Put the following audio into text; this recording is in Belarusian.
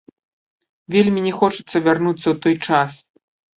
Вельмі не хочацца вярнуцца ў той час.